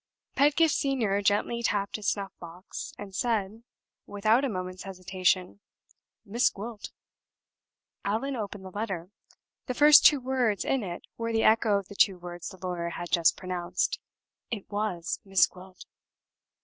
Pedgift Senior gently tapped his snuff box, and said, without a moment's hesitation, "Miss Gwilt." Allan opened the letter. The first two words in it were the echo of the two words the lawyer had just pronounced. It was Miss Gwilt!